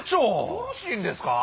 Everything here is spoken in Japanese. よろしいんですか？